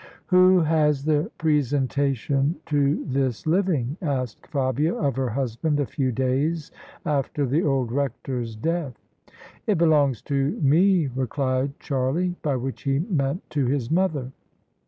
"Who has the presentation to this living?" asked Fabia of her husband, a few days after the old rector's death. " It belongs to me," replied Charlie: by which he meant to his mother.